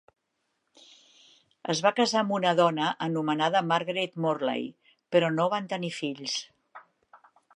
Es va casar amb una dona anomenada Margaret Morlay, però no van tenir fills.